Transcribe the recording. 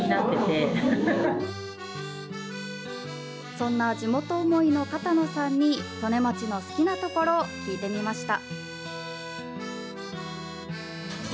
そんな地元思いの片野さんに利根町の好きなところ聞いてみました。